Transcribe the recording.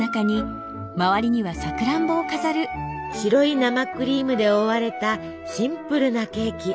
白い生クリームで覆われたシンプルなケーキ。